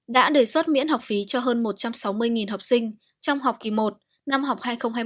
đã đề xuất miễn học phí cho hơn một trăm sáu mươi học sinh trong học kỳ một năm học hai nghìn hai mươi hai nghìn hai mươi một